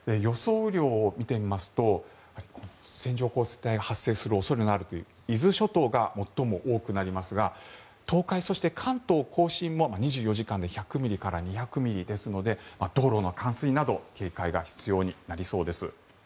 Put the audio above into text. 雨量を見てみますと線状降水帯が発生する恐れがあるという伊豆諸島が最も多くなりますが東海、そして関東・甲信も２４時間で１００ミリから２００ミリですので道路の冠水など警戒が必要になりそうです。